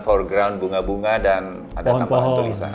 foreground bunga bunga dan ada tampilan tulisan